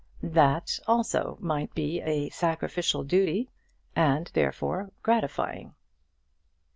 That also might be a sacrificial duty and therefore gratifying.